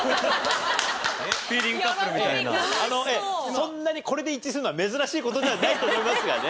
そんなにこれで一致するのは珍しい事ではないと思いますがね。